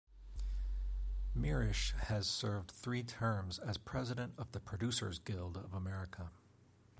Mirisch has served three terms as president of the Producers Guild of America.